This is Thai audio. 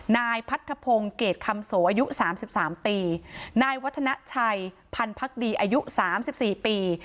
นายพัทธพงศ์เกรตคำโสอายุสามสิบสามปีนายวัฒนชัยพันภักดีอายุสามสิบสี่ปี